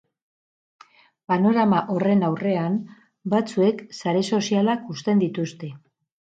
Panorama horren aurrean, batzuek sare sozialak uzten dituzte.